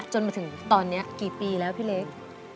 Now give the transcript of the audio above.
จนมาถึงตอนนี้กี่ปีแล้วพี่เล็ก